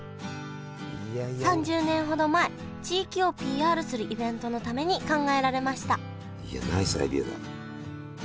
３０年ほど前地域をＰＲするイベントのために考えられましたいやナイスアイデアだ。